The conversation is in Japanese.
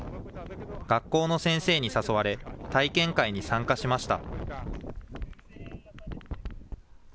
学校の先生に誘われ、体験会に参加しました。